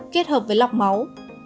kết hợp với lọc máu